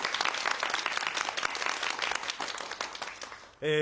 え